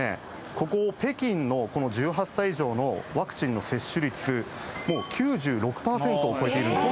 ここ北京の１８歳以上のワクチンの接種率もう９６％を超えているんです。